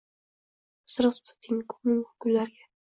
“Isiriq tutating. Ko’ming gullarga